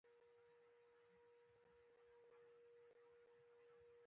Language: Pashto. پسه د کورنۍ اقتصاد برخه ده.